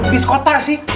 dis kota sih